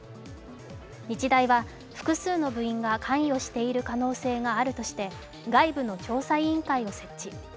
日大は複数の部員が関与している可能性があるとして、外部の調査委員会を設置。